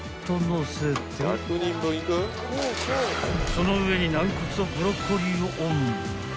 ［その上にナンコツとブロッコリーをオン］